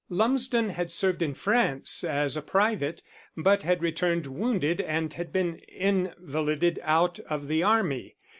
Lumsden had served in France as a private, but had returned wounded and had been invalided out of the army.